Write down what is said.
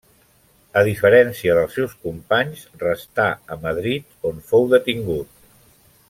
A diferència dels seus companys, restà a Madrid, on fou detingut.